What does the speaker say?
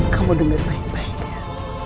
kamu dengar baik baik ya